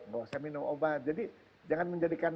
gak usah minum obat jadi jangan menjadikan